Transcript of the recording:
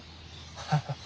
ハハハ。